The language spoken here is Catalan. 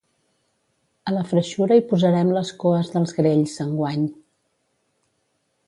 A la freixura hi posarem les coes dels grells, enguany.